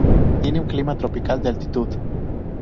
Tiene un clima tropical de altitud.